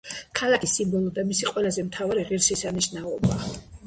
ქალაქის სიმბოლო და მისი ყველაზე მთავარი ღირსშესანიშნაობა.